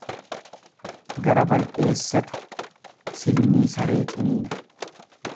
Gara bal'eessatu silmii saree ciniina.